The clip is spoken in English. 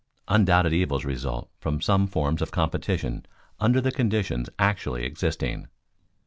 _Undoubted evils result from some forms of competition under the conditions actually existing.